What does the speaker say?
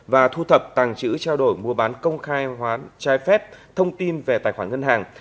và thu thập tàng chữ trao đổi mua bán công khai hoán trai phép thông tin về tài khoản ngân hàng